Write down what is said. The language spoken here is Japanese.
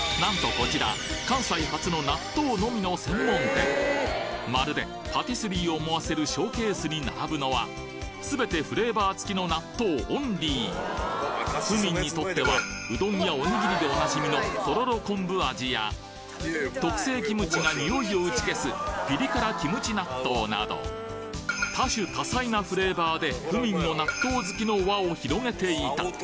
こちらまるでパティスリーを思わせるショーケースに並ぶのは全てフレーバーつきの納豆オンリー府民にとってはうどんやおにぎりでお馴染みの特製キムチがにおいを打ち消すピリ辛キムチ納豆など多種多彩なフレーバーで府民の納豆好きの輪を広げていた！